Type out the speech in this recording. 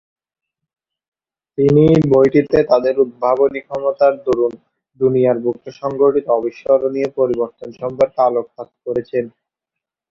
তিনি বইটিতে তাদের উদ্ভাবনী ক্ষমতার দরুন দুনিয়ার বুকে সংঘটিত অবিস্মরণীয় পরিবর্তন সম্পর্কে আলোকপাত করেছেন।